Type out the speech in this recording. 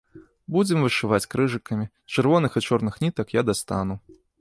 Будзем вышываць крыжыкамі, чырвоных і чорных нітак я дастану.